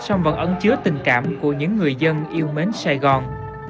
song vận ấn chứa tình cảm của những người dân yêu mến sài gòn